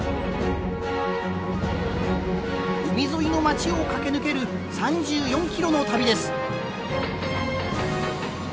海沿いの町を駆け抜ける３４キロの旅です。